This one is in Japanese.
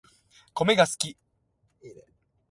コメが好き